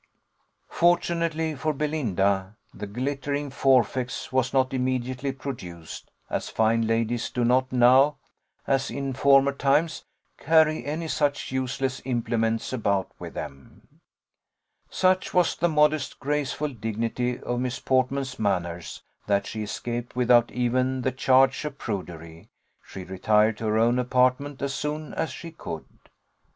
Fortunately for Belinda, "the glittering forfex" was not immediately produced, as fine ladies do not now, as in former times, carry any such useless implements about with them. Such was the modest, graceful dignity of Miss Portman's manners, that she escaped without even the charge of prudery. She retired to her own apartment as soon as she could.